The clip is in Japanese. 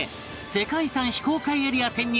世界遺産非公開エリア潜入